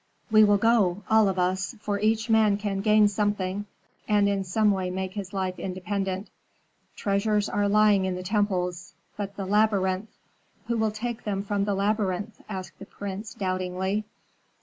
We will go, all of us, for each man can gain something, and in some way make his life independent. Treasures are lying in the temples but the labyrinth " "Who will take them from the labyrinth?" asked the prince, doubtingly.